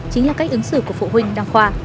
chính là cách ứng xử của phụ huynh đăng khoa